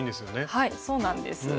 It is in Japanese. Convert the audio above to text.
はいそうなんです。